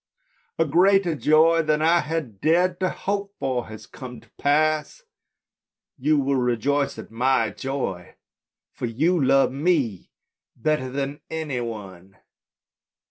" A greater joy than I had dared to hope for has come to pass. You will rejoice at my joy, for you love me better than any one."